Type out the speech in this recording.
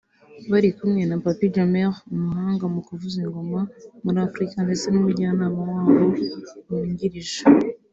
Bari kumwe na Papi Jameh umuhanga mu kuvuza ngoma muri Afurika ndetse n’umujyanama wabo wungirije